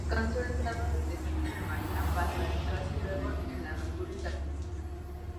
Alcanzó el grado de teniente de marina para radicarse luego en la República Argentina.